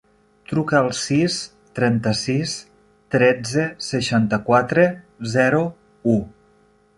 Truca al sis, trenta-sis, tretze, seixanta-quatre, zero, u.